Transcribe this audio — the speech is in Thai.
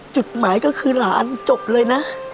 จุดหมายก็คือหลานจบเลยนะ